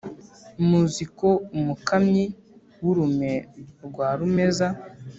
muzi ko umukamyi w’urume rwa rumeza,